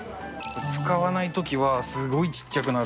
使わない時はすごいちっちゃくなる。